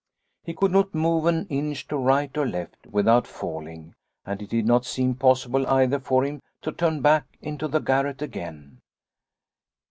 He could not move an inch to right or left without falling and it did not seem possible either for him to turn back into the garret again.